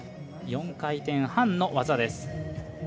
４回転半の技です。